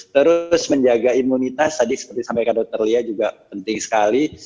terus menjaga imunitas tadi seperti sampaikan dokter lia juga penting sekali